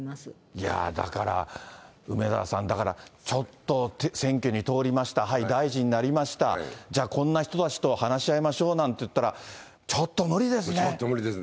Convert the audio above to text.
いやー、だから、梅沢さん、だからちょっと選挙に通りました、はい、大臣になりました、じゃあ、こんな人たちと話し合いましょうなんて言ったら、ちょっと無理でちょっと無理です。